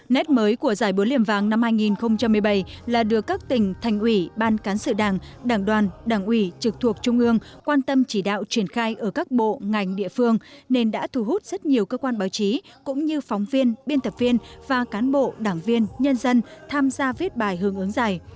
năm hai nghìn một mươi bảy là đưa các tỉnh thành ủy ban cán sự đảng đảng đoàn đảng ủy trực thuộc trung ương quan tâm chỉ đạo triển khai ở các bộ ngành địa phương nên đã thu hút rất nhiều cơ quan báo chí cũng như phóng viên biên tập viên và cán bộ đảng viên nhân dân tham gia viết bài hướng ứng giải